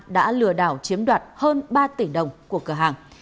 đã lừa đảo chiếm đoạt hơn ba tỷ đồng của cửa hàng